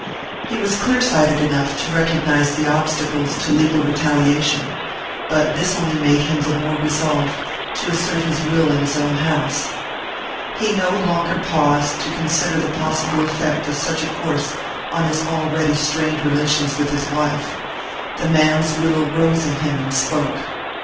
He was clear sighted enough to recognize the obstacles to legal retaliation; but this only made him the more resolved to assert his will in his own house. He no longer paused to consider the possible effect of such a course on his already strained relations with his wife: the man's will rose in him and spoke.